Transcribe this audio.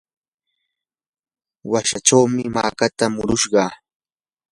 wikchawmi makata murushaq.